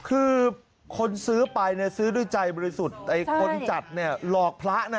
คือคนซื้อไปซื้อด้วยใจบริสุทธิ์คนจัดนี่หลอกพระนะ